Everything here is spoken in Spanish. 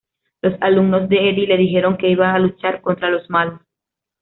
Los alumnos de Eddy le dijeron que iba a luchar contra los malos.